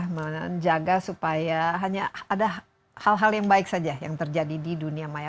menjaga supaya hanya ada hal hal yang baik saja yang terjadi di dunia maya